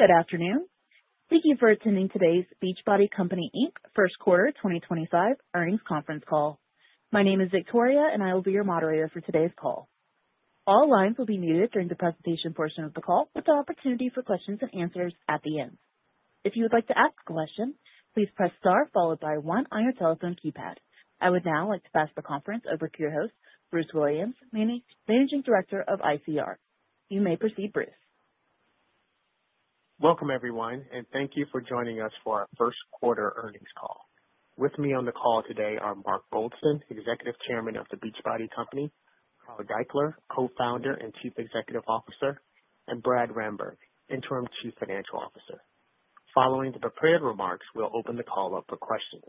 Good afternoon. Thank you for attending today's Beachbody Company Inc, First Quarter 2025 Earnings Conference Call. My name is Victoria, and I will be your moderator for today's call. All lines will be muted during the presentation portion of the call, with the opportunity for questions and answers at the end. If you would like to ask a question, please press star followed by one on your telephone keypad. I would now like to pass the conference over to your host, Bruce Williams, Managing Director of ICR. You may proceed, Bruce. Welcome, everyone, and thank you for joining us for our First Quarter earnings call. With me on the call today are Mark Goldston, Executive Chairman of The Beachbody Company; Carl Daikeler, Co-founder and Chief Executive Officer; and Brad Ramberg, Interim Chief Financial Officer. Following the prepared remarks, we'll open the call up for questions.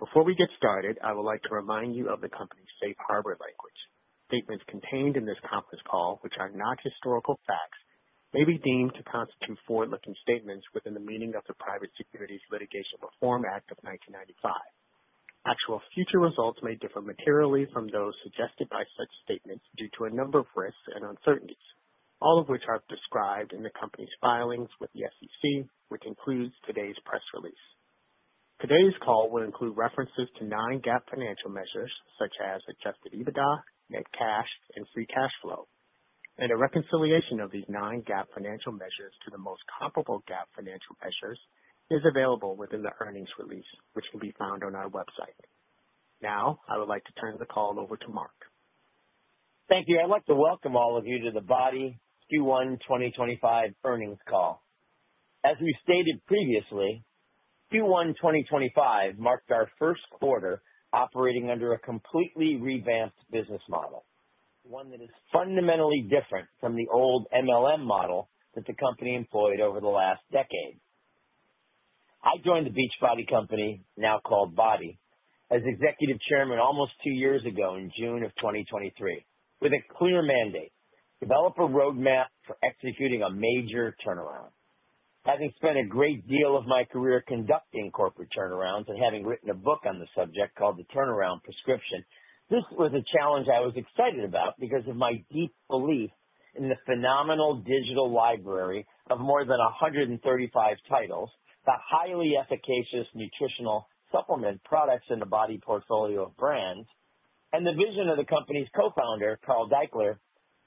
Before we get started, I would like to remind you of the company's safe harbor language. Statements contained in this conference call, which are not historical facts, may be deemed to constitute forward-looking statements within the meaning of the Private Securities Litigation Reform Act of 1995. Actual future results may differ materially from those suggested by such statements due to a number of risks and uncertainties, all of which are described in the company's filings with the SEC, which includes today's press release. Today's call will include references to non-GAAP financial measures such as adjusted EBITDA, net cash, and free cash flow. A reconciliation of these non-GAAP financial measures to the most comparable GAAP financial measures is available within the earnings release, which can be found on our website. Now, I would like to turn the call over to Mark. Thank you. I'd like to welcome all of you to the Body Q1 2025 Earnings Call. As we stated previously, Q1 2025 marked our first quarter operating under a completely revamped business model, one that is fundamentally different from the old MLM model that the company employed over the last decade. I joined The Beachbody Company, now called Body, as Executive Chairman almost two years ago in June of 2023, with a clear mandate: develop a roadmap for executing a major turnaround. Having spent a great deal of my career conducting corporate turnarounds and having written a book on the subject called The Turnaround Prescription, this was a challenge I was excited about because of my deep belief in the phenomenal digital library of more than 135 titles, the highly efficacious nutritional supplement products in the Body portfolio of brands, and the vision of the company's Co-founder, Carl Daikeler,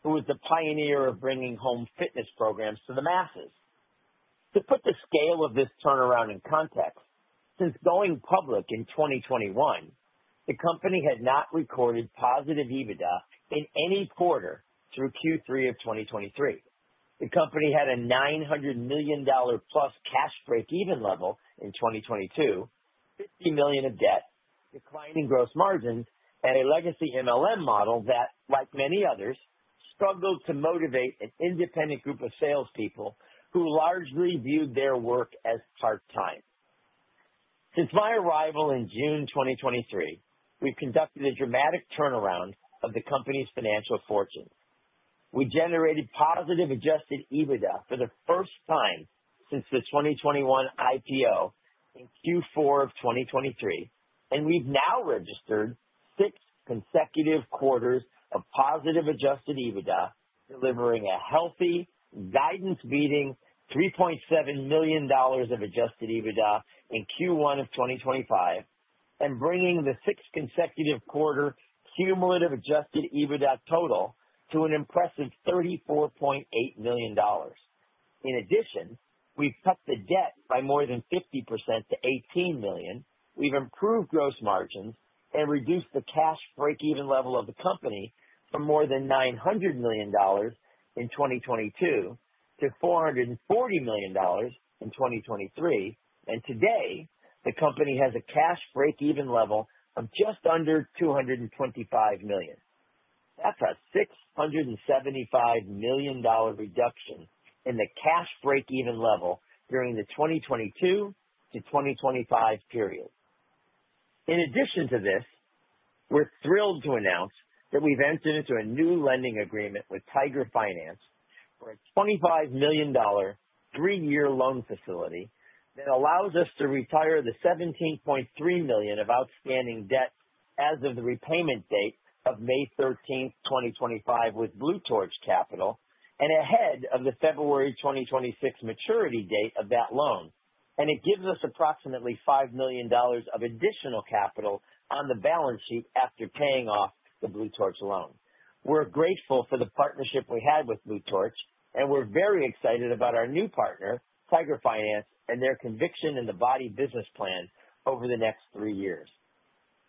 who was the pioneer of bringing home fitness programs to the masses. To put the scale of this turnaround in context, since going public in 2021, the company had not recorded positive EBITDA in any quarter through Q3 of 2023. The company had a $900 million plus cash break-even level in 2022, $50 million of debt, declining gross margins, and a legacy MLM model that, like many others, struggled to motivate an independent group of salespeople who largely viewed their work as part-time. Since my arrival in June 2023, we've conducted a dramatic turnaround of the company's financial fortune. We generated positive adjusted EBITDA for the first time since the 2021 IPO in Q4 of 2023, and we've now registered six consecutive quarters of positive adjusted EBITDA, delivering a healthy, guidance-beating $3.7 million of adjusted EBITDA in Q1 of 2025 and bringing the six consecutive quarter cumulative adjusted EBITDA total to an impressive $34.8 million. In addition, we've cut the debt by more than 50% to $18 million. We've improved gross margins and reduced the cash break-even level of the company from more than $900 million in 2022 to $440 million in 2023. Today, the company has a cash break-even level of just under $225 million. That's a $675 million reduction in the cash break-even level during the 2022 to 2025 period. In addition to this, we're thrilled to announce that we've entered into a new lending agreement with Tiger Finance for a $25 million three-year loan facility that allows us to retire the $17.3 million of outstanding debt as of the repayment date of May 13, 2025, with Blue Torch Capital and ahead of the February 2026 maturity date of that loan. It gives us approximately $5 million of additional capital on the balance sheet after paying off the Blue Torch loan. We're grateful for the partnership we had with Blue Torch, and we're very excited about our new partner, Tiger Finance, and their conviction in the Body business plan over the next three years.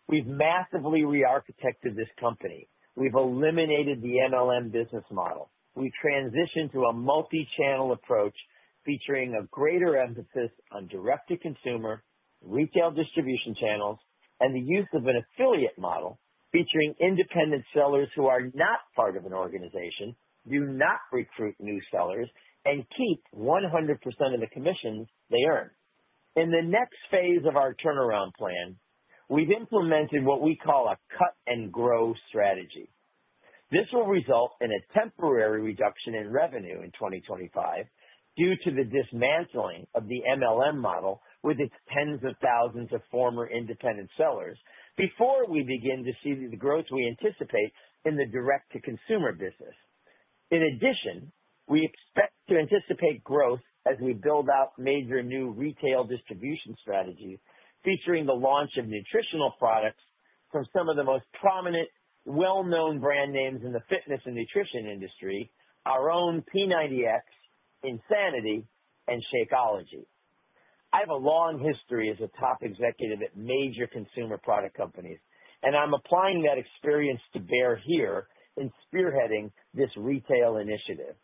We've massively rearchitected this company. We've eliminated the MLM business model. We've transitioned to a multi-channel approach featuring a greater emphasis on direct-to-consumer, retail distribution channels, and the use of an affiliate model featuring independent sellers who are not part of an organization, do not recruit new sellers, and keep 100% of the commissions they earn. In the next phase of our turnaround plan, we've implemented what we call a cut-and-grow strategy. This will result in a temporary reduction in revenue in 2025 due to the dismantling of the MLM model with its tens of thousands of former independent sellers before we begin to see the growth we anticipate in the direct-to-consumer business. In addition, we expect to anticipate growth as we build out major new retail distribution strategies featuring the launch of nutritional products from some of the most prominent, well-known brand names in the fitness and nutrition industry: our own P90X, Insanity, and Shakeology. I have a long history as a top executive at major consumer product companies, and I'm applying that experience to bear here in spearheading this retail initiative.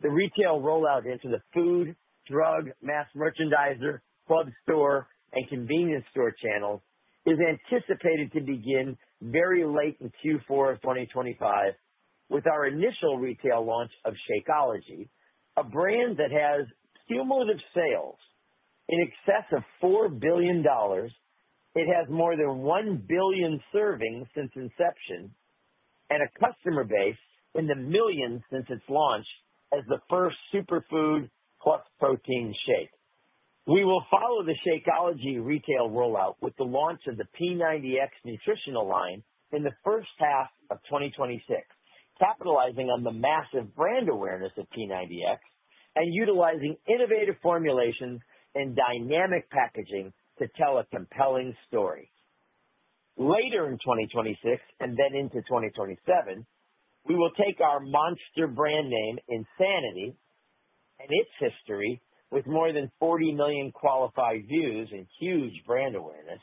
The retail rollout into the food, drug, mass merchandiser, club store, and convenience store channels is anticipated to begin very late in Q4 2025 with our initial retail launch of Shakeology, a brand that has cumulative sales in excess of $4 billion. It has more than 1 billion servings since inception and a customer base in the millions since its launch as the first superfood plus protein shake. We will follow the Shakeology retail rollout with the launch of the P90X nutritional line in the first half of 2026, capitalizing on the massive brand awareness of P90X and utilizing innovative formulations and dynamic packaging to tell a compelling story. Later in 2026 and then into 2027, we will take our monster brand name Insanity and its history with more than 40 million qualified views and huge brand awareness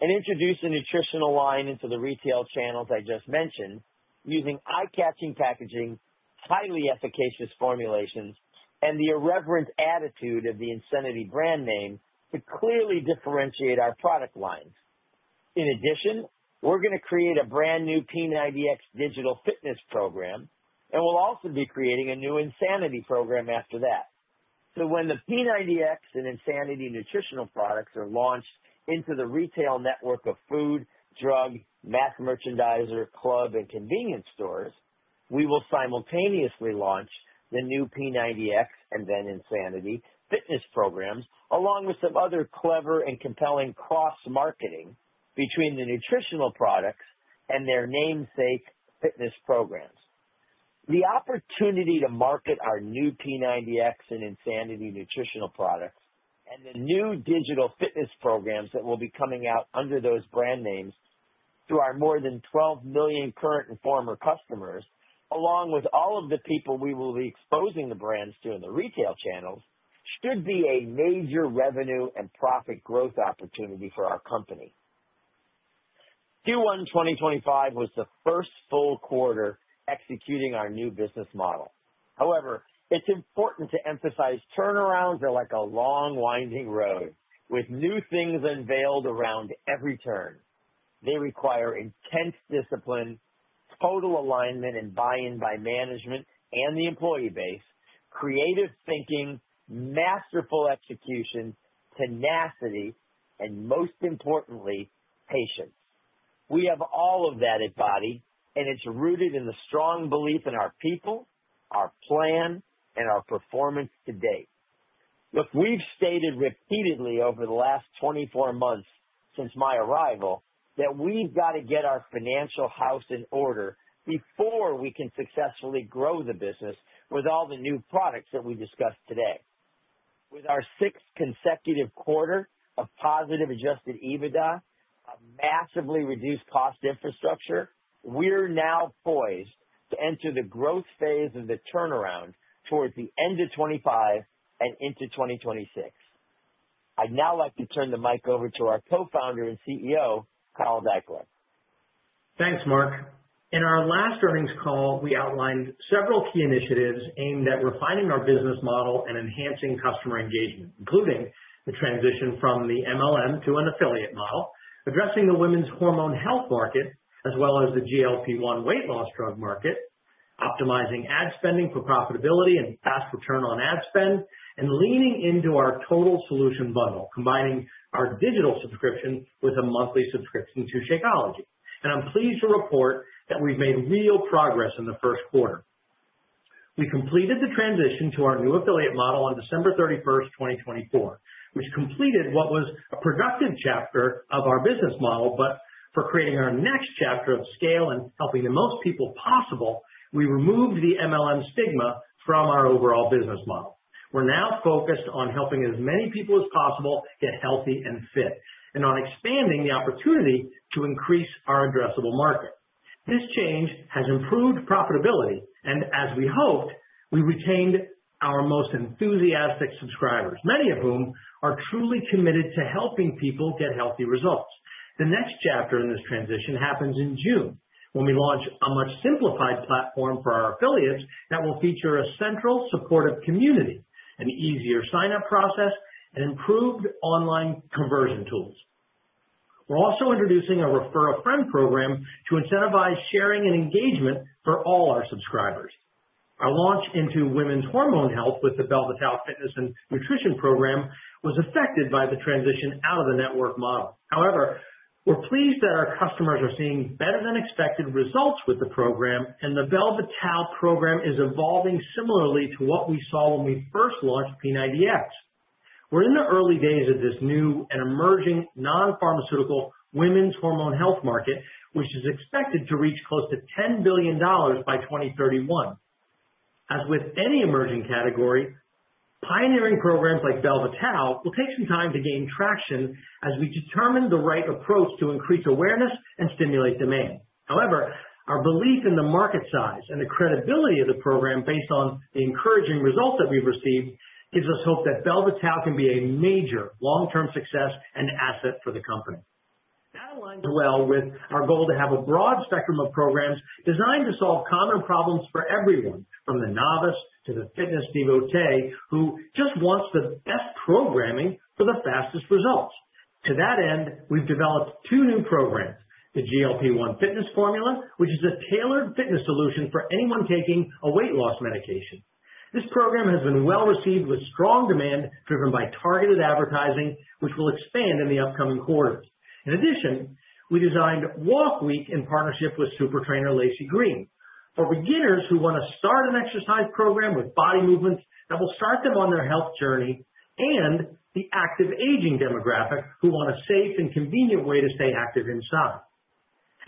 and introduce a nutritional line into the retail channels I just mentioned using eye-catching packaging, highly efficacious formulations, and the irreverent attitude of the Insanity brand name to clearly differentiate our product lines. In addition, we're going to create a brand new P90X digital fitness program, and we'll also be creating a new Insanity program after that. When the P90X and Insanity nutritional products are launched into the retail network of food, drug, mass merchandiser, club, and convenience stores, we will simultaneously launch the new P90X and then Insanity fitness programs along with some other clever and compelling cross-marketing between the nutritional products and their namesake fitness programs. The opportunity to market our new P90X and Insanity nutritional products and the new digital fitness programs that will be coming out under those brand names through our more than 12 million current and former customers, along with all of the people we will be exposing the brands to in the retail channels, should be a major revenue and profit growth opportunity for our company. Q1 2025 was the first full quarter executing our new business model. However, it's important to emphasize turnarounds are like a long, winding road with new things unveiled around every turn. They require intense discipline, total alignment and buy-in by management and the employee base, creative thinking, masterful execution, tenacity, and most importantly, patience. We have all of that at Body, and it's rooted in the strong belief in our people, our plan, and our performance to date. Look, we've stated repeatedly over the last 24 months since my arrival that we've got to get our financial house in order before we can successfully grow the business with all the new products that we discussed today. With our sixth consecutive quarter of positive adjusted EBITDA and massively reduced cost infrastructure, we're now poised to enter the growth phase of the turnaround towards the end of 2025 and into 2026. I'd now like to turn the mic over to our Co-founder and CEO, Carl Daikeler. Thanks, Mark. In our last earnings call, we outlined several key initiatives aimed at refining our business model and enhancing customer engagement, including the transition from the MLM to an affiliate model, addressing the women's hormone health market as well as the GLP-1 weight loss drug market, optimizing ad spending for profitability and fast return on ad spend, and leaning into our total solution bundle, combining our digital subscription with a monthly subscription to Shakeology. I'm pleased to report that we've made real progress in the first quarter. We completed the transition to our new affiliate model on December 31st of 2024, which completed what was a productive chapter of our business model. For creating our next chapter of scale and helping the most people possible, we removed the MLM stigma from our overall business model. We're now focused on helping as many people as possible get healthy and fit and on expanding the opportunity to increase our addressable market. This change has improved profitability, and as we hoped, we retained our most enthusiastic subscribers, many of whom are truly committed to helping people get healthy results. The next chapter in this transition happens in June when we launch a much simplified platform for our affiliates that will feature a central supportive community, an easier sign-up process, and improved online conversion tools. We're also introducing a refer-a-friend program to incentivize sharing and engagement for all our subscribers. Our launch into women's hormone health with the Belle Vitale Fitness and Nutrition program was affected by the transition out of the network model. However, we're pleased that our customers are seeing better-than-expected results with the program, and the Belle Vitale program is evolving similarly to what we saw when we first launched P90X. We're in the early days of this new and emerging non-pharmaceutical women's hormone health market, which is expected to reach close to $10 billion by 2031. As with any emerging category, pioneering programs like Belle Vitale will take some time to gain traction as we determine the right approach to increase awareness and stimulate demand. However, our belief in the market size and the credibility of the program based on the encouraging results that we've received gives us hope that Belle Vitale can be a major long-term success and asset for the company. That aligns well with our goal to have a broad spectrum of programs designed to solve common problems for everyone, from the novice to the fitness devotee who just wants the best programming for the fastest results. To that end, we've developed two new programs, the GLP-1 Fitness Formula, which is a tailored fitness solution for anyone taking a weight loss medication. This program has been well received with strong demand driven by targeted advertising, which will expand in the upcoming quarters. In addition, we designed Walk Week in partnership with super trainer Lacey Green, for beginners who want to start an exercise program with body movements that will start them on their health journey and the active aging demographic who want a safe and convenient way to stay active inside.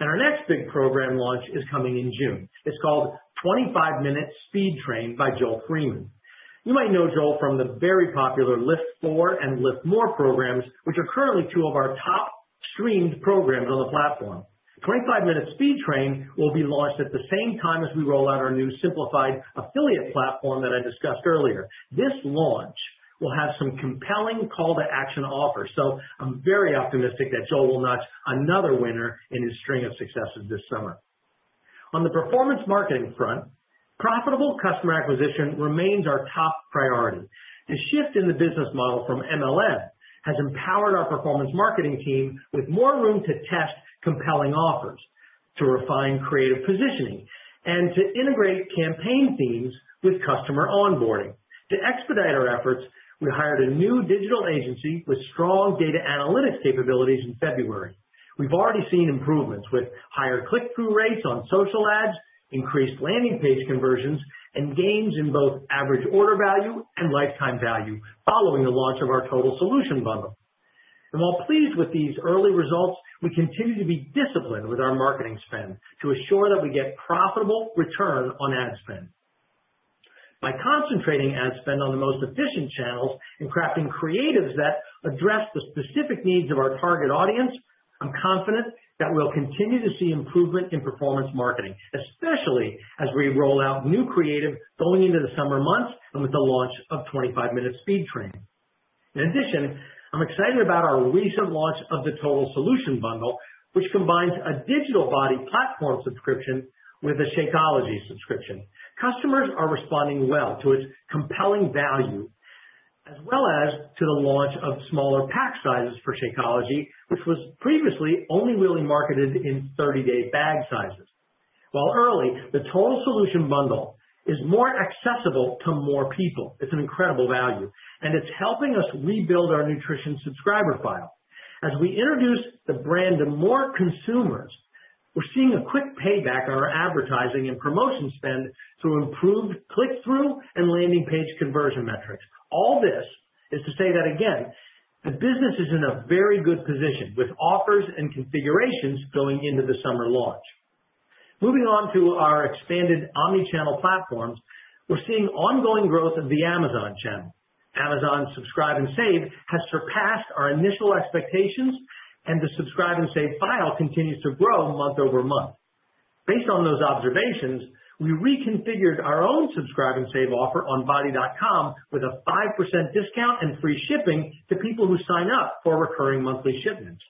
Our next big program launch is coming in June. It's called 25 Minutes Speed Train by Joel Freeman. You might know Joel from the very popular Lift 4 and Lift More programs, which are currently two of our top streamed programs on the platform. 25 Minutes Speed Train will be launched at the same time as we roll out our new simplified affiliate platform that I discussed earlier. This launch will have some compelling call-to-action offers, so I'm very optimistic that Joel will notch another winner in his string of successes this summer. On the performance marketing front, profitable customer acquisition remains our top priority. The shift in the business model from MLM has empowered our performance marketing team with more room to test compelling offers, to refine creative positioning, and to integrate campaign themes with customer onboarding. To expedite our efforts, we hired a new digital agency with strong data analytics capabilities in February. We've already seen improvements with higher click-through rates on social ads, increased landing page conversions, and gains in both average order value and lifetime value following the launch of our total solution bundle. While pleased with these early results, we continue to be disciplined with our marketing spend to assure that we get profitable return on ad spend. By concentrating ad spend on the most efficient channels and crafting creatives that address the specific needs of our target audience, I'm confident that we'll continue to see improvement in performance marketing, especially as we roll out new creative going into the summer months and with the launch of 25 Minutes Speed Train. In addition, I'm excited about our recent launch of the total solution bundle, which combines a Digital Body platform subscription with a Shakeology subscription. Customers are responding well to its compelling value, as well as to the launch of smaller pack sizes for Shakeology, which was previously only really marketed in 30-day bag sizes. While early, the total solution bundle is more accessible to more people. It's an incredible value, and it's helping us rebuild our nutrition subscriber file. As we introduce the brand to more consumers, we're seeing a quick payback on our advertising and promotion spend through improved click-through and landing page conversion metrics. All this is to say that, again, the business is in a very good position with offers and configurations going into the summer launch. Moving on to our expanded omnichannel platforms, we're seeing ongoing growth of the Amazon channel. Amazon Subscribe and Save has surpassed our initial expectations, and the Subscribe and Save file continues to grow month over month. Based on those observations, we reconfigured our own Subscribe and Save offer on body.com with a 5% discount and free shipping to people who sign up for recurring monthly shipments.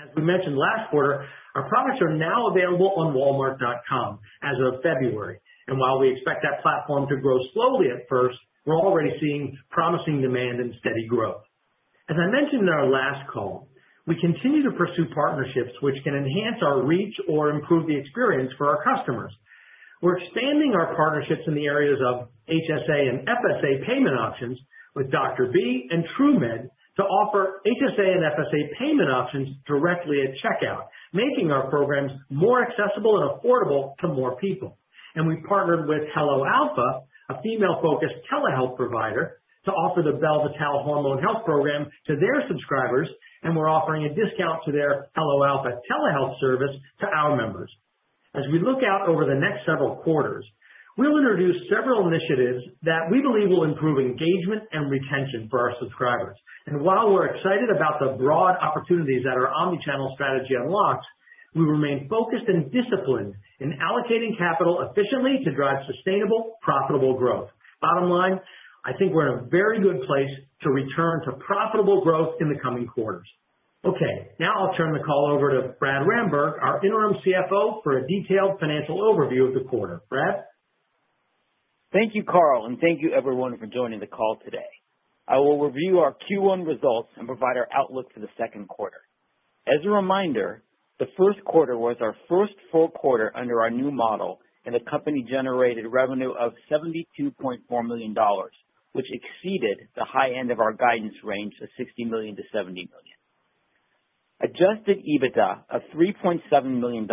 As we mentioned last quarter, our products are now available on Walmart.com as of February. While we expect that platform to grow slowly at first, we're already seeing promising demand and steady growth. As I mentioned in our last call, we continue to pursue partnerships which can enhance our reach or improve the experience for our customers. We're expanding our partnerships in the areas of HSA and FSA payment options with Dr. B and Truemed to offer HSA and FSA payment options directly at checkout, making our programs more accessible and affordable to more people. We partnered with Hello Alpha, a female-focused telehealth provider, to offer the Belle Vitale Hormone Health Program to their subscribers, and we're offering a discount to their Hello Alpha telehealth service to our members. As we look out over the next several quarters, we'll introduce several initiatives that we believe will improve engagement and retention for our subscribers. While we're excited about the broad opportunities that our omnichannel strategy unlocks, we remain focused and disciplined in allocating capital efficiently to drive sustainable, profitable growth. Bottom line, I think we're in a very good place to return to profitable growth in the coming quarters. Okay, now I'll turn the call over to Brad Ramberg, our Interim CFO, for a detailed financial overview of the quarter. Brad? Thank you, Carl, and thank you, everyone, for joining the call today. I will review our Q1 results and provide our outlook for the second quarter. As a reminder, the first quarter was our first full quarter under our new model, and the company generated revenue of $72.4 million, which exceeded the high end of our guidance range of $60 million-$70 million. Adjusted EBITDA of $3.7 million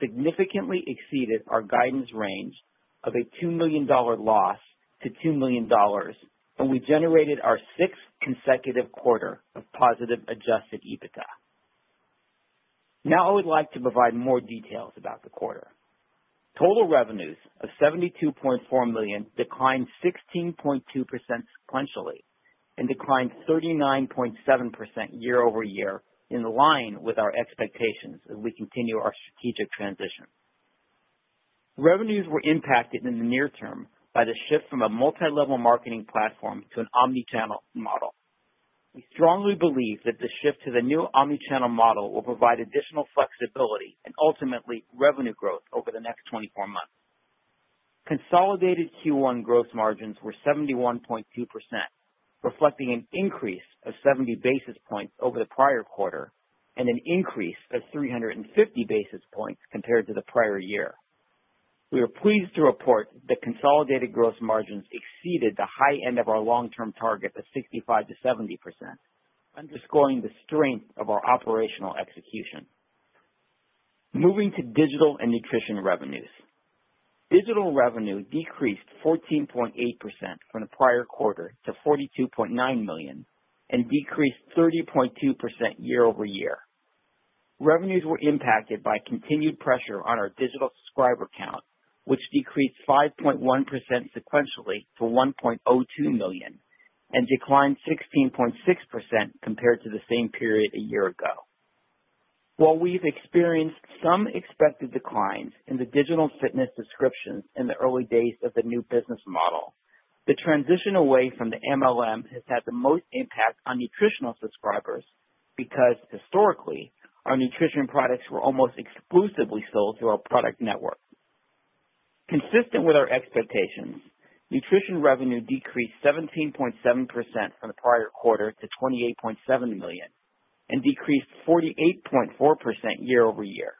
significantly exceeded our guidance range of a $2 million loss to $2 million, and we generated our sixth consecutive quarter of positive adjusted EBITDA. Now I would like to provide more details about the quarter. Total revenues of $72.4 million declined 16.2% sequentially and declined 39.7% year-over-year in line with our expectations as we continue our strategic transition. Revenues were impacted in the near term by the shift from a multilevel marketing platform to an omnichannel model. We strongly believe that the shift to the new omnichannel model will provide additional flexibility and ultimately revenue growth over the next 24 months. Consolidated Q1 gross margins were 71.2%, reflecting an increase of 70 basis points over the prior quarter and an increase of 350 basis points compared to the prior year. We are pleased to report that consolidated gross margins exceeded the high end of our long-term target of 65%-70%, underscoring the strength of our operational execution. Moving to digital and nutrition revenues. Digital revenue decreased 14.8% from the prior quarter to $42.9 million and decreased 30.2% year-over-year. Revenues were impacted by continued pressure on our digital subscriber count, which decreased 5.1% sequentially to 1.02 million and declined 16.6% compared to the same period a year ago. While we've experienced some expected declines in the digital fitness subscriptions in the early days of the new business model, the transition away from the MLM has had the most impact on nutritional subscribers because, historically, our nutrition products were almost exclusively sold through our product network. Consistent with our expectations, nutrition revenue decreased 17.7% from the prior quarter to $28.7 million and decreased 48.4% year-over-year.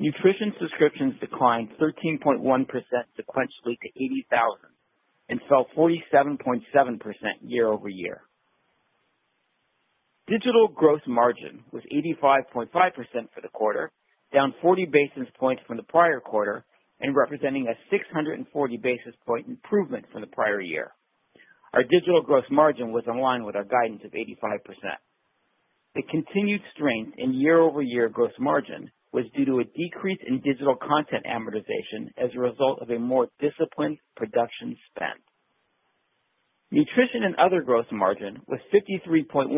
Nutrition subscriptions declined 13.1% sequentially to 80,000 and fell 47.7% year-over-year. Digital gross margin was 85.5% for the quarter, down 40 basis points from the prior quarter and representing a 640 basis point improvement from the prior year. Our digital gross margin was in line with our guidance of 85%. The continued strength in year-over-year gross margin was due to a decrease in digital content amortization as a result of a more disciplined production spend. Nutrition and other gross margin was 53.1%,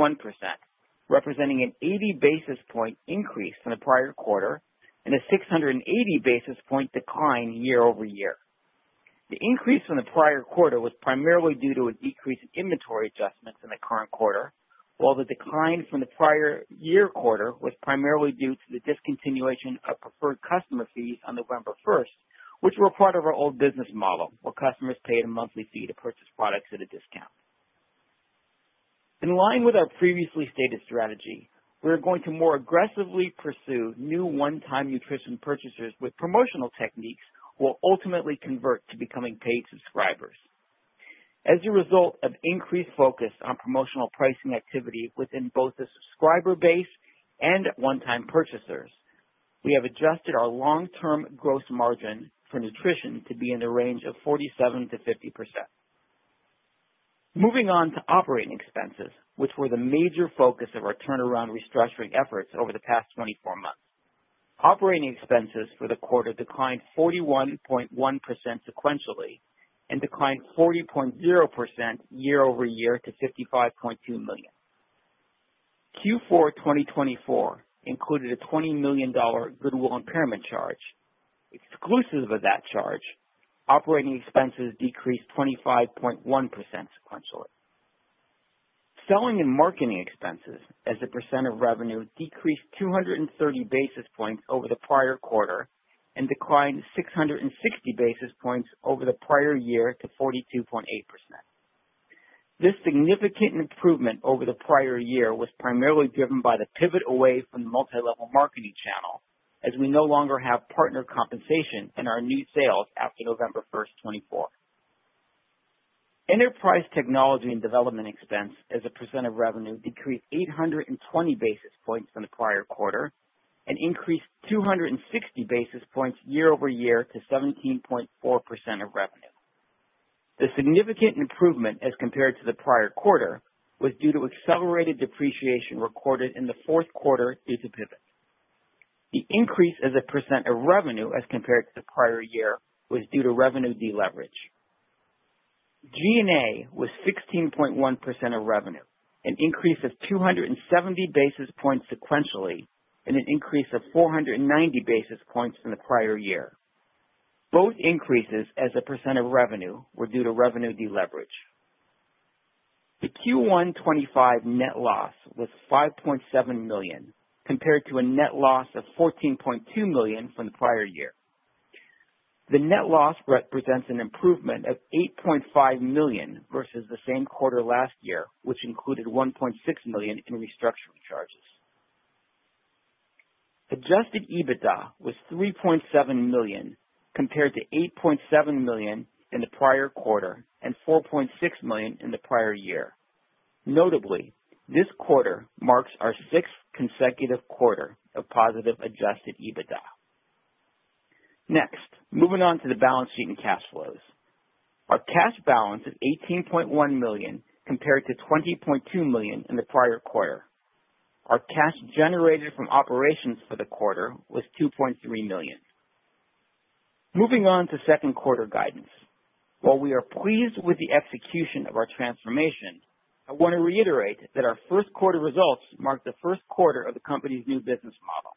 representing an 80 basis point increase from the prior quarter and a 680 basis point decline year-over-year. The increase from the prior quarter was primarily due to a decrease in inventory adjustments in the current quarter, while the decline from the prior year quarter was primarily due to the discontinuation of preferred customer fees on November 1st, which were part of our old business model where customers paid a monthly fee to purchase products at a discount. In line with our previously stated strategy, we're going to more aggressively pursue new one-time nutrition purchasers with promotional techniques who will ultimately convert to becoming paid subscribers. As a result of increased focus on promotional pricing activity within both the subscriber base and one-time purchasers, we have adjusted our long-term gross margin for nutrition to be in the range of 47%-50%. Moving on to operating expenses, which were the major focus of our turnaround restructuring efforts over the past 24 months. Operating expenses for the quarter declined 41.1% sequentially and declined 40.0% year-over-year to $55.2 million. Q4 2024 included a $20 million goodwill impairment charge. Exclusive of that charge, operating expenses decreased 25.1% sequentially. Selling and marketing expenses as a percent of revenue decreased 230 basis points over the prior quarter and declined 660 basis points over the prior year to 42.8%. This significant improvement over the prior year was primarily driven by the pivot away from the multi-level marketing channel, as we no longer have partner compensation in our new sales after November 1st of 2024. Enterprise technology and development expense as a percent of revenue decreased 820 basis points from the prior quarter and increased 260 basis points year-over-year to 17.4% of revenue. The significant improvement as compared to the prior quarter was due to accelerated depreciation recorded in the fourth quarter due to pivot. The increase as a % of revenue as compared to the prior year was due to revenue deleverage. G&A was 16.1% of revenue, an increase of 270 basis points sequentially, and an increase of 490 basis points from the prior year. Both increases as a % of revenue were due to revenue deleverage. The Q1 2025 net loss was $5.7 million compared to a net loss of $14.2 million from the prior year. The net loss represents an improvement of $8.5 million versus the same quarter last year, which included $1.6 million in restructuring charges. Adjusted EBITDA was $3.7 million compared to $8.7 million in the prior quarter and $4.6 million in the prior year. Notably, this quarter marks our sixth consecutive quarter of positive adjusted EBITDA. Next, moving on to the balance sheet and cash flows. Our cash balance is $18.1 million compared to $20.2 million in the prior quarter. Our cash generated from operations for the quarter was $2.3 million. Moving on to second quarter guidance. While we are pleased with the execution of our transformation, I want to reiterate that our first quarter results mark the first quarter of the company's new business model.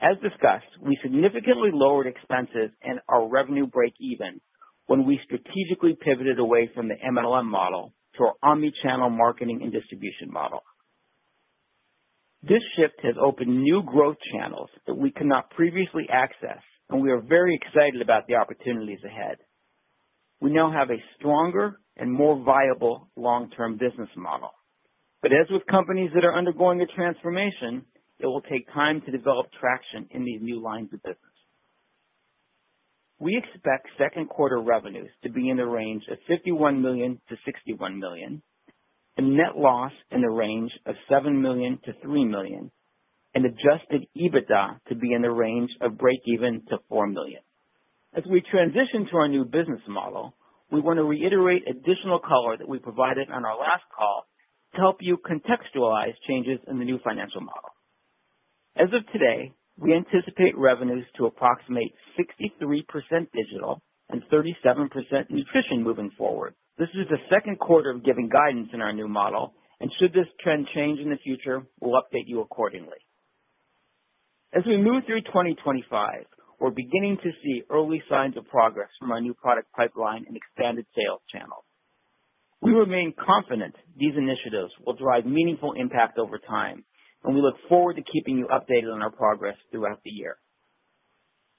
As discussed, we significantly lowered expenses and our revenue break-even when we strategically pivoted away from the MLM model to our omnichannel marketing and distribution model. This shift has opened new growth channels that we could not previously access, and we are very excited about the opportunities ahead. We now have a stronger and more viable long-term business model. As with companies that are undergoing a transformation, it will take time to develop traction in these new lines of business. We expect second quarter revenues to be in the range of $51 million-$61 million, a net loss in the range of $7 million-$3 million, and adjusted EBITDA to be in the range of break-even to $4 million. As we transition to our new business model, we want to reiterate additional color that we provided on our last call to help you contextualize changes in the new financial model. As of today, we anticipate revenues to approximate 63% digital and 37% nutrition moving forward. This is the second quarter of giving guidance in our new model, and should this trend change in the future, we'll update you accordingly. As we move through 2025, we're beginning to see early signs of progress from our new product pipeline and expanded sales channels. We remain confident these initiatives will drive meaningful impact over time, and we look forward to keeping you updated on our progress throughout the year.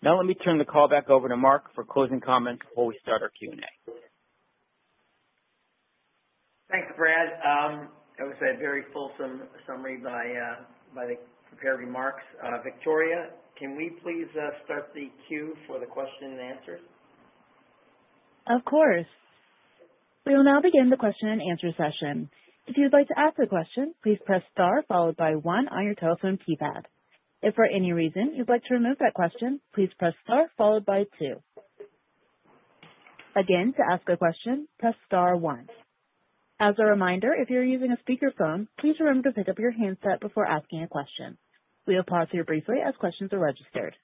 Now let me turn the call back over to Marc for closing comments before we start our Q&A. Thanks, Brad. That was a very fulsome summary by the prepared remarks. Victoria, can we please start the queue for the question and answers? Of course. We will now begin the question and answer session. If you'd like to ask a question, please press star followed by one on your telephone keypad. If for any reason you'd like to remove that question, please press star followed by two. Again, to ask a question, press star one. As a reminder, if you're using a speakerphone, please remember to pick up your handset before asking a question. We will pause here briefly as questions are registered.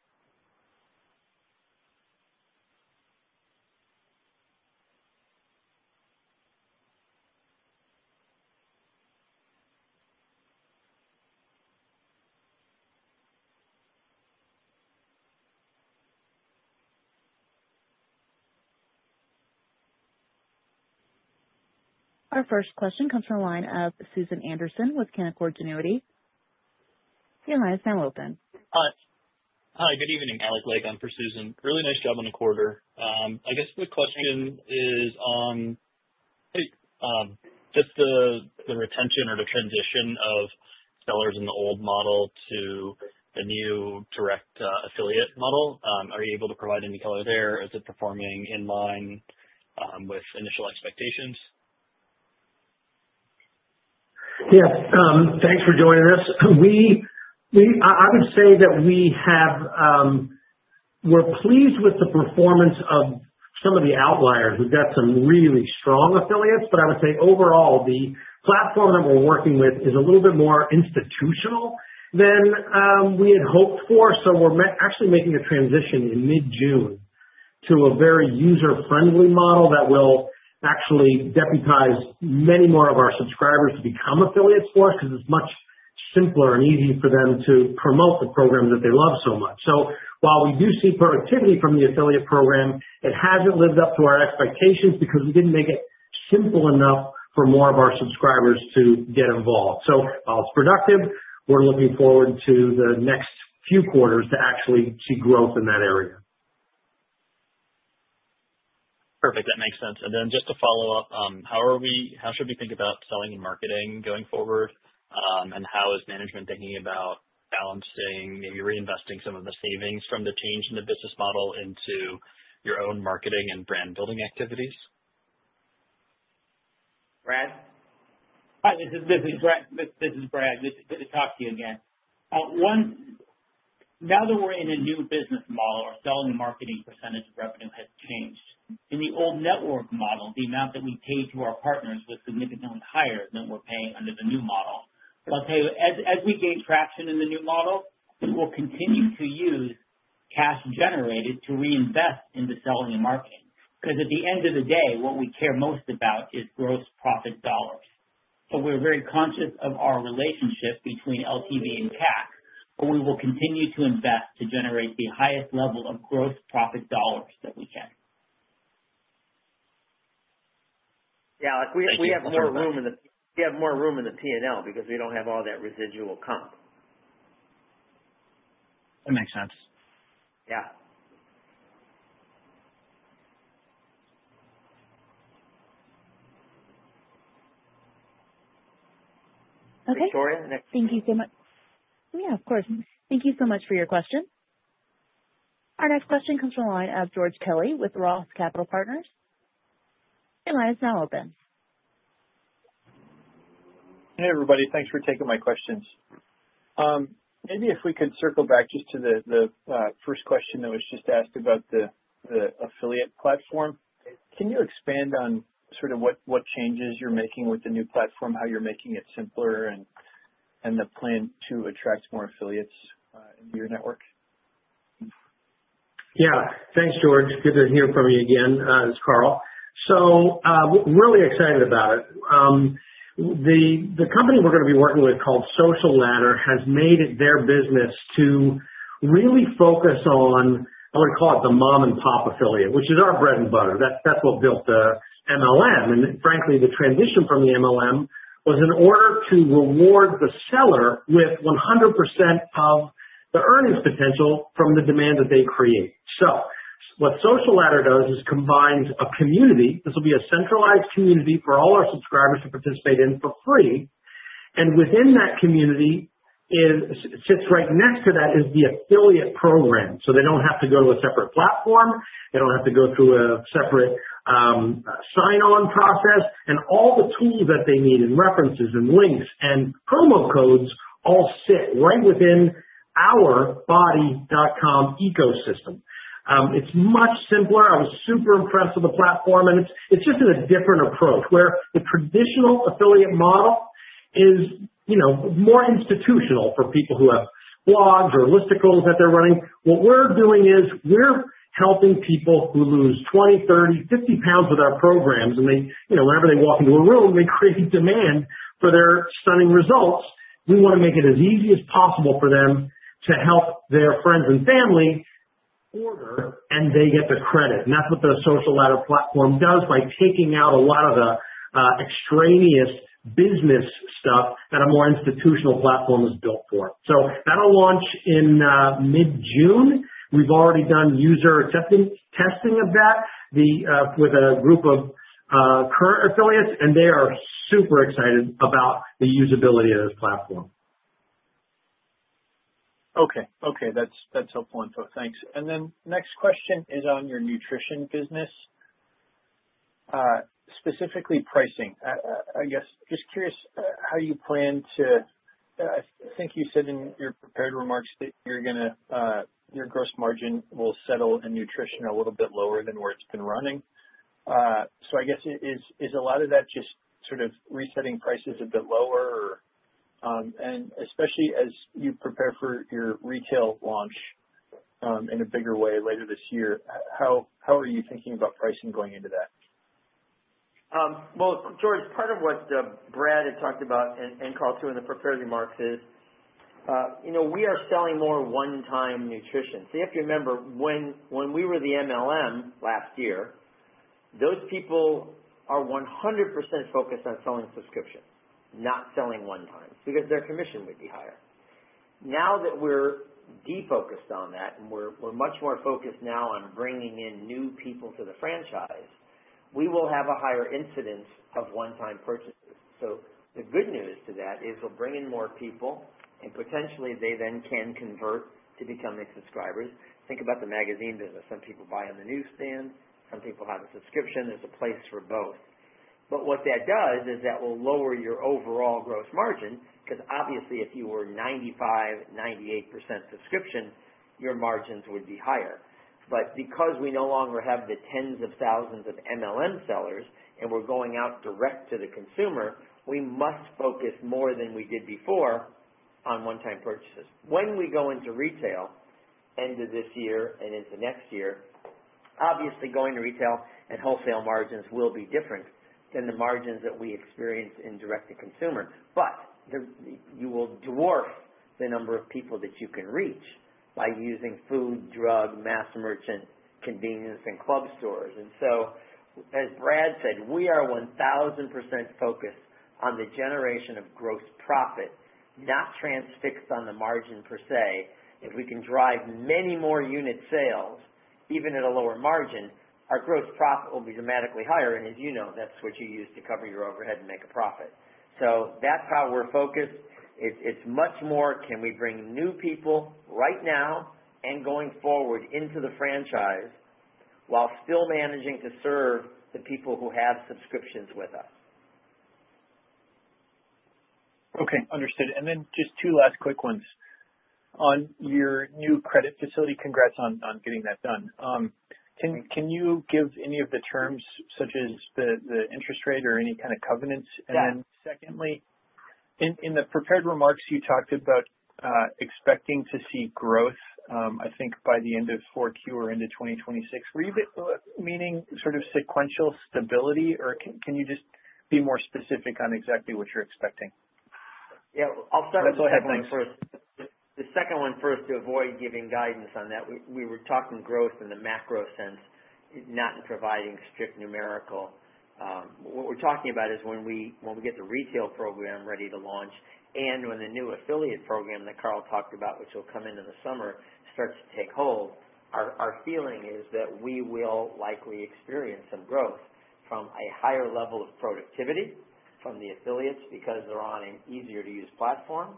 Our first question comes from a line of Susan Anderson with Canaccord Genuity. Your line is now open. Hi. Hi, good evening. Alex Laiken for Susan. Really nice job on the quarter. I guess the question is on just the retention or the transition of sellers in the old model to the new direct affiliate model. Are you able to provide any color there? Is it performing in line with initial expectations? Yes. Thanks for joining us. I would say that we're pleased with the performance of some of the outliers. We've got some really strong affiliates, but I would say overall, the platform that we're working with is a little bit more institutional than we had hoped for. We're actually making a transition in mid-June to a very user-friendly model that will actually deputize many more of our subscribers to become affiliates for us because it's much simpler and easier for them to promote the program that they love so much. While we do see productivity from the affiliate program, it hasn't lived up to our expectations because we didn't make it simple enough for more of our subscribers to get involved. While it's productive, we're looking forward to the next few quarters to actually see growth in that area. Perfect. That makes sense. Just to follow up, how should we think about selling and marketing going forward, and how is management thinking about balancing, maybe reinvesting some of the savings from the change in the business model into your own marketing and brand-building activities? Brad? Hi. This is Brad. Good to talk to you again. Now that we're in a new business model, our selling and marketing percentage of revenue has changed. In the old network model, the amount that we paid to our partners was significantly higher than we're paying under the new model. I'll tell you, as we gain traction in the new model, we'll continue to use cash generated to reinvest into selling and marketing because at the end of the day, what we care most about is gross profit dollars. We're very conscious of our relationship between LTV and CAC, but we will continue to invest to generate the highest level of gross profit dollars that we can. Yeah. We have more room in the P&L because we don't have all that residual comp. That makes sense. Yeah. Victoria, next question. Thank you so much. Yeah, of course. Thank you so much for your question. Our next question comes from a line of George Kelly with ROTH Capital Partners. Your line is now open. Hey, everybody. Thanks for taking my questions. Maybe if we could circle back just to the first question that was just asked about the affiliate platform. Can you expand on sort of what changes you're making with the new platform, how you're making it simpler, and the plan to attract more affiliates into your network? Yeah. Thanks, George. Good to hear from you again. It's Carl. So really excited about it. The company we're going to be working with called Social Ladder has made it their business to really focus on, I want to call it the mom-and-pop affiliate, which is our bread and butter. That's what built the MLM. And frankly, the transition from the MLM was in order to reward the seller with 100% of the earnings potential from the demand that they create. So what Social Ladder does is combines a community—this will be a centralized community for all our subscribers to participate in for free—and within that community, sits right next to that is the affiliate program. So they don't have to go to a separate platform. They don't have to go through a separate sign-on process. All the tools that they need, and references and links and promo codes, all sit right within our body.com ecosystem. It is much simpler. I was super impressed with the platform, and it is just in a different approach where the traditional affiliate model is more institutional for people who have blogs or listicles that they are running. What we are doing is we are helping people who lose 20, 30, 50 pounds with our programs, and whenever they walk into a room, they create demand for their stunning results. We want to make it as easy as possible for them to help their friends and family order, and they get the credit. That is what the Social Ladder platform does by taking out a lot of the extraneous business stuff that a more institutional platform is built for. That will launch in mid-June. We've already done user testing of that with a group of current affiliates, and they are super excited about the usability of this platform. Okay. Okay. That's helpful info. Thanks. Next question is on your nutrition business, specifically pricing. I guess just curious how you plan to—I think you said in your prepared remarks that you're going to—your gross margin will settle in nutrition a little bit lower than where it's been running. I guess is a lot of that just sort of resetting prices a bit lower? Especially as you prepare for your retail launch in a bigger way later this year, how are you thinking about pricing going into that? George, part of what Brad had talked about and Carl too in the prepared remarks is we are selling more one-time nutrition. You have to remember when we were the MLM last year, those people are 100% focused on selling subscriptions, not selling one-time because their commission would be higher. Now that we're defocused on that and we're much more focused now on bringing in new people to the franchise, we will have a higher incidence of one-time purchases. The good news to that is we'll bring in more people, and potentially they then can convert to becoming subscribers. Think about the magazine business. Some people buy on the newsstand. Some people have a subscription. There's a place for both. What that does is that will lower your overall gross margin because obviously if you were 95%-98% subscription, your margins would be higher. Because we no longer have the tens of thousands of MLM sellers and we're going out direct to the consumer, we must focus more than we did before on one-time purchases. When we go into retail end of this year and into next year, obviously going to retail and wholesale margins will be different than the margins that we experience in direct-to-consumer. You will dwarf the number of people that you can reach by using food, drug, mass merchant, convenience, and club stores. As Brad said, we are 1,000% focused on the generation of gross profit, not transfixed on the margin per se. If we can drive many more unit sales, even at a lower margin, our gross profit will be dramatically higher. As you know, that's what you use to cover your overhead and make a profit. That's how we're focused. It's much more, can we bring new people right now and going forward into the franchise while still managing to serve the people who have subscriptions with us? Okay. Understood. And then just two last quick ones. On your new credit facility, congrats on getting that done. Can you give any of the terms such as the interest rate or any kind of covenants? And then secondly, in the prepared remarks, you talked about expecting to see growth, I think by the end of 4Q or end of 2026. Were you meaning sort of sequential stability, or can you just be more specific on exactly what you're expecting? Yeah. I'll start with the second one first. The second one first, to avoid giving guidance on that, we were talking growth in the macro sense, not in providing strict numerical. What we're talking about is when we get the retail program ready to launch and when the new affiliate program that Carl talked about, which will come into the summer, starts to take hold, our feeling is that we will likely experience some growth from a higher level of productivity from the affiliates because they're on an easier-to-use platform.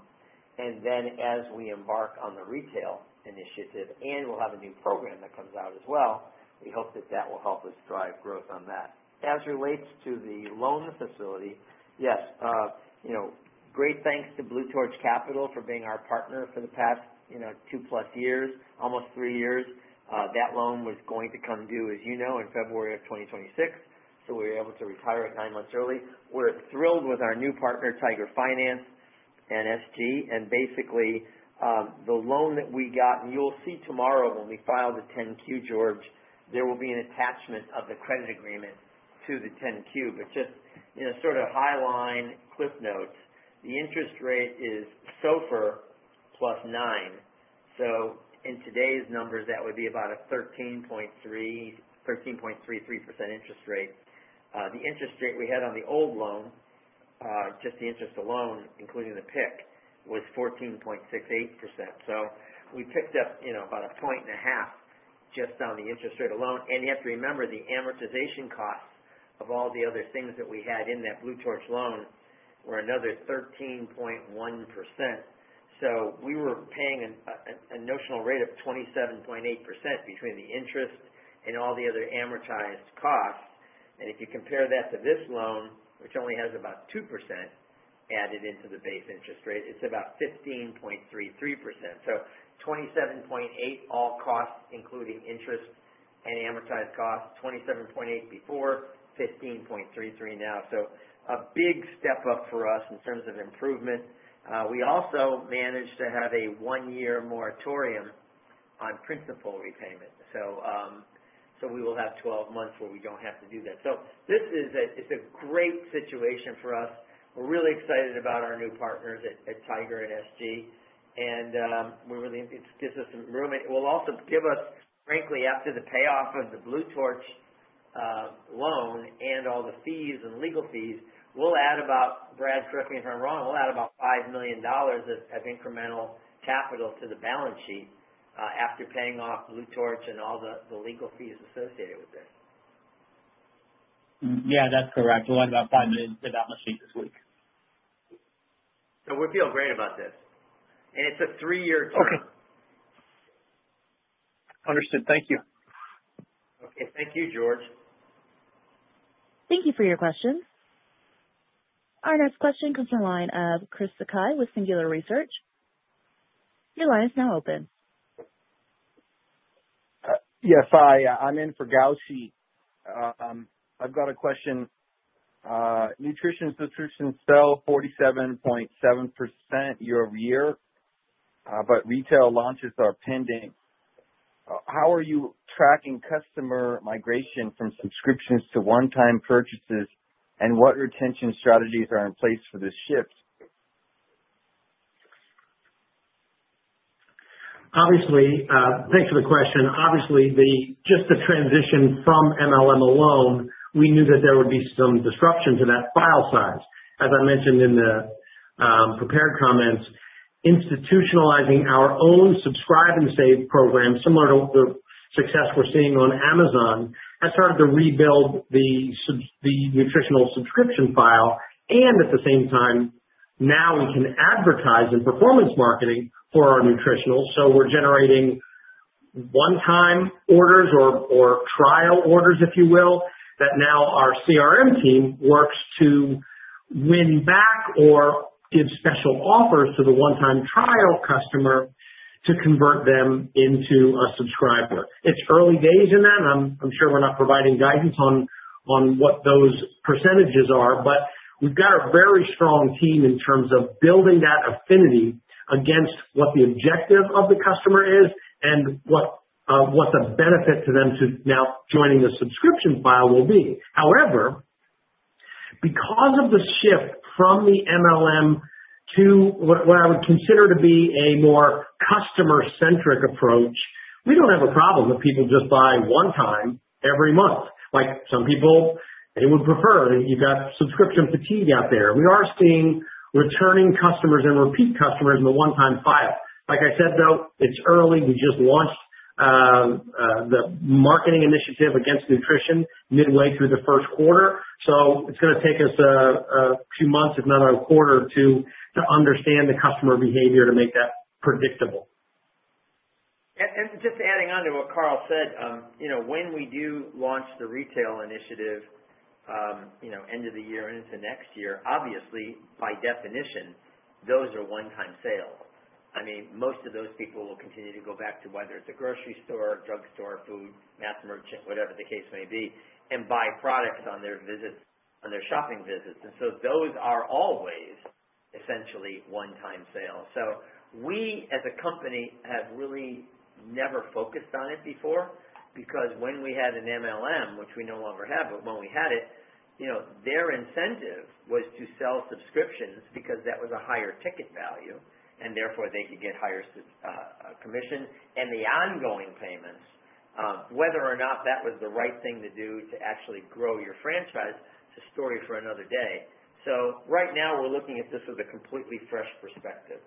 Then as we embark on the retail initiative and we'll have a new program that comes out as well, we hope that that will help us drive growth on that. As it relates to the loan facility, yes. Great thanks to Blue Torch Capital for being our partner for the past two-plus years, almost three years. That loan was going to come due, as you know, in February of 2026, so we were able to retire it nine months early. We're thrilled with our new partner, Tiger Finance, NSG. Basically, the loan that we got, and you'll see tomorrow when we file the 10Q, George, there will be an attachment of the credit agreement to the 10Q. Just sort of highline cliff notes, the interest rate is SOFR plus 9. In today's numbers, that would be about a 13.33% interest rate. The interest rate we had on the old loan, just the interest alone, including the PIC, was 14.68%. We picked up about a point and a half just on the interest rate alone. You have to remember the amortization costs of all the other things that we had in that Blue Torch loan were another 13.1%. We were paying a notional rate of 27.8% between the interest and all the other amortized costs. If you compare that to this loan, which only has about 2% added into the base interest rate, it is about 15.33%. So 27.8% all costs, including interest and amortized costs. 27.8% before, 15.33% now. A big step up for us in terms of improvement. We also managed to have a one-year moratorium on principal repayment. We will have 12 months where we do not have to do that. This is a great situation for us. We are really excited about our new partners at Tiger and SG. It gives us some room. It will also give us, frankly, after the payoff of the Blue Torch loan and all the fees and legal fees, we'll add about—Brad, correct me if I'm wrong—we'll add about $5 million as incremental capital to the balance sheet after paying off Blue Torch and all the legal fees associated with this. Yeah, that's correct. We'll add about $5 million to the balance sheet this week. We feel great about this. And it's a three-year total. Okay. Understood. Thank you. Okay. Thank you, George. Thank you for your questions. Our next question comes from a line of Chris Sakai with Singular Research. Your line is now open. Yes. Hi. I'm in for Gao Xi. I've got a question. Nutrition subscriptions fell 47.7% year-over-year, but retail launches are pending. How are you tracking customer migration from subscriptions to one-time purchases, and what retention strategies are in place for this shift? Thanks for the question. Obviously, just the transition from MLM alone, we knew that there would be some disruption to that file size. As I mentioned in the prepared comments, institutionalizing our own Subscribe and Save program, similar to the success we're seeing on Amazon, has started to rebuild the nutritional subscription file. At the same time, now we can advertise in performance marketing for our nutritional. We're generating one-time orders or trial orders, if you will, that now our CRM team works to win back or give special offers to the one-time trial customer to convert them into a subscriber. It's early days in that. I'm sure we're not providing guidance on what those percentages are, but we've got a very strong team in terms of building that affinity against what the objective of the customer is and what the benefit to them to now joining the subscription file will be. However, because of the shift from the MLM to what I would consider to be a more customer-centric approach, we don't have a problem if people just buy one-time every month. Like some people, they would prefer. You've got subscription fatigue out there. We are seeing returning customers and repeat customers in the one-time file. Like I said, though, it's early. We just launched the marketing initiative against nutrition midway through the first quarter. It is going to take us a few months, if not a quarter or two, to understand the customer behavior to make that predictable. Just adding on to what Carl said, when we do launch the retail initiative end of the year and into next year, obviously, by definition, those are one-time sales. I mean, most of those people will continue to go back to whether it's a grocery store, drugstore, food, mass merchant, whatever the case may be, and buy products on their shopping visits. Those are always essentially one-time sales. We, as a company, have really never focused on it before because when we had an MLM, which we no longer have, but when we had it, their incentive was to sell subscriptions because that was a higher ticket value, and therefore they could get higher commission. The ongoing payments, whether or not that was the right thing to do to actually grow your franchise, it's a story for another day. Right now, we're looking at this with a completely fresh perspective.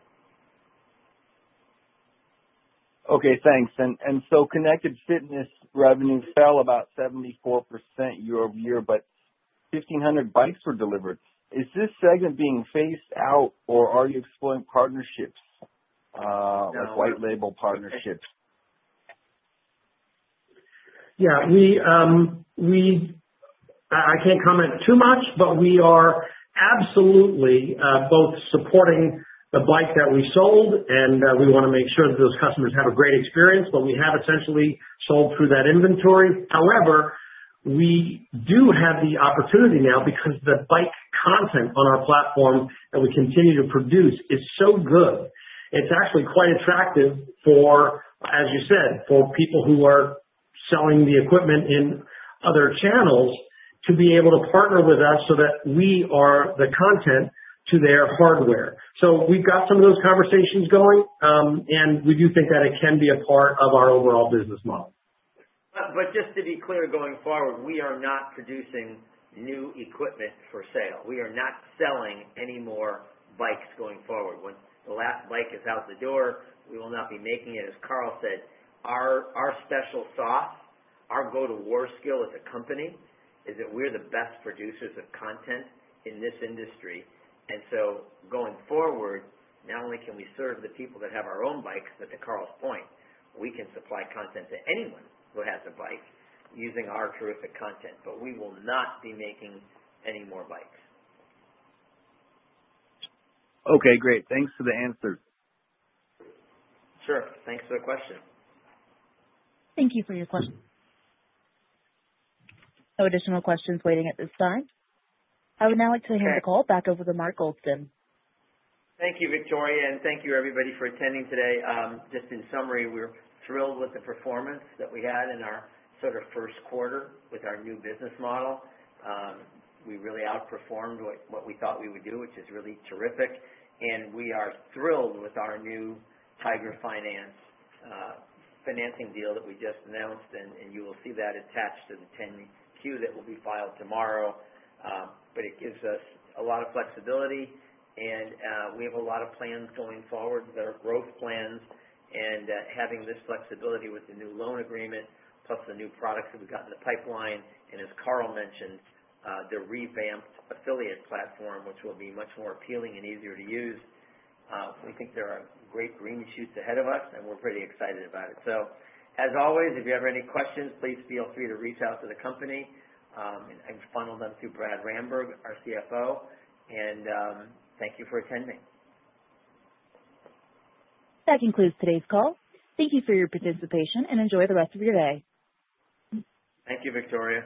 Okay. Thanks. Connected fitness revenue fell about 74% year-over-year, but 1,500 bikes were delivered. Is this segment being phased out, or are you exploring partnerships with white label partnerships? Yeah. I can't comment too much, but we are absolutely both supporting the bike that we sold, and we want to make sure that those customers have a great experience. We have essentially sold through that inventory. However, we do have the opportunity now because the bike content on our platform that we continue to produce is so good. It's actually quite attractive for, as you said, for people who are selling the equipment in other channels to be able to partner with us so that we are the content to their hardware. We have got some of those conversations going, and we do think that it can be a part of our overall business model. Just to be clear, going forward, we are not producing new equipment for sale. We are not selling any more bikes going forward. When the last bike is out the door, we will not be making it, as Carl said. Our special sauce, our go-to-war skill as a company is that we're the best producers of content in this industry. Going forward, not only can we serve the people that have our own bikes, but to Carl's point, we can supply content to anyone who has a bike using our terrific content. We will not be making any more bikes. Okay. Great. Thanks for the answers. Sure. Thanks for the question. Thank you for your question. No additional questions waiting at this time. I would now like to hand the call back over to Mark Goldston. Thank you, Victoria. Thank you, everybody, for attending today. Just in summary, we're thrilled with the performance that we had in our sort of first quarter with our new business model. We really outperformed what we thought we would do, which is really terrific. We are thrilled with our new Tiger Finance financing deal that we just announced. You will see that attached to the 10Q that will be filed tomorrow. It gives us a lot of flexibility. We have a lot of plans going forward that are growth plans. Having this flexibility with the new loan agreement, plus the new products that we've got in the pipeline, and as Carl mentioned, the revamped affiliate platform, which will be much more appealing and easier to use, we think there are great green shoots ahead of us, and we're pretty excited about it. As always, if you have any questions, please feel free to reach out to the company. I'm going to funnel them to Brad Ramberg, our CFO. Thank you for attending. That concludes today's call. Thank you for your participation, and enjoy the rest of your day. Thank you, Victoria.